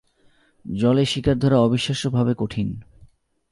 জলে শিকার ধরা অবিশ্বাস্যভাবে কঠিন।